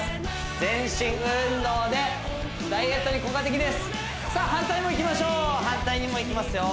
全身運動でダイエットに効果的ですさあ反対もいきましょう反対にもいきますよ